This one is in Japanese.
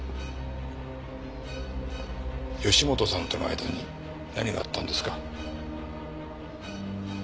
義本さんとの間に何があったんですか？